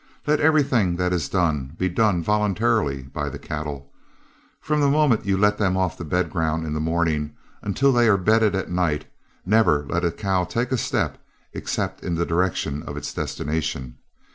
Let everything that is done be done voluntarily by the cattle. From the moment you let them off the bed ground in the morning until they are bedded at night, never let a cow take a step, except in the direction of its destination.